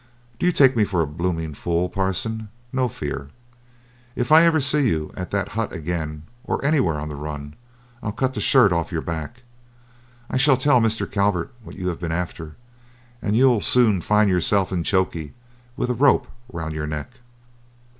"Do you take me for a blooming fool, Parson? No fear. If ever I see you at that hut again, or anywhere on the run, I'll cut the shirt off your back. I shall tell Mr. Calvert what you have been after, and you'll soon find yourself in chokey with a rope round your neck."